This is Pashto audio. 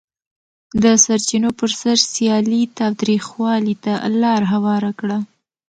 د سرچینو پر سر سیالي تاوتریخوالي ته لار هواره کړه.